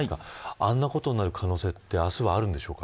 あんなことになる可能性は明日はあるんですか。